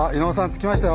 着きましたよ！